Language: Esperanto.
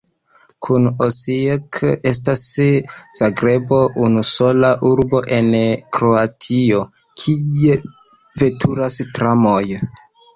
Kun Osijek estas Zagrebo unusola urbo en Kroatio, kie veturas tramoj.